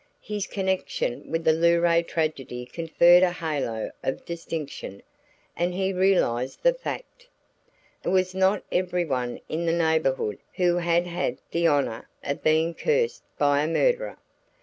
His connection with the Luray tragedy conferred a halo of distinction, and he realized the fact. It was not every one in the neighborhood who had had the honor of being cursed by a murderer.